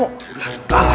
lo kemana pak